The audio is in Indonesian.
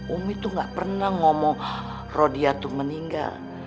umi tuh gak pernah ngomong rodiah tuh meninggal